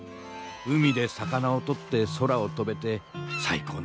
海で魚を取って空を飛べて最高の生き方だ。